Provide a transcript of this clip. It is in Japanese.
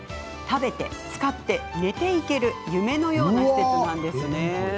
食べて、つかって、寝ていける夢のような施設なんです。